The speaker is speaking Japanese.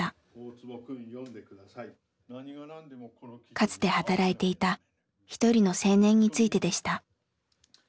かつて働いていた一人の青年についてでした。